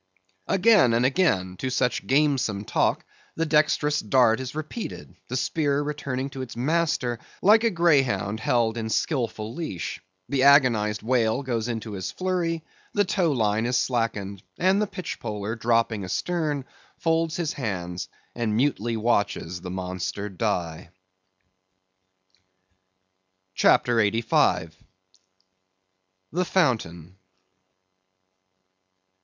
Again and again to such gamesome talk, the dexterous dart is repeated, the spear returning to its master like a greyhound held in skilful leash. The agonized whale goes into his flurry; the tow line is slackened, and the pitchpoler dropping astern, folds his hands, and mutely watches the monster die. CHAPTER 85. The Fountain.